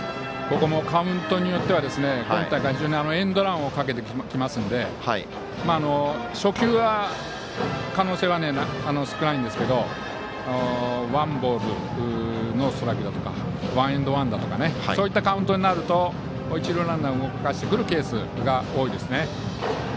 カウントによっては今大会、非常にエンドランをかけてきますので初球は可能性は少ないんですがワンボールノーストライクだとかワンエンドワンだとかそういったカウントになると一塁ランナーを動かしてくるケースが多いですね。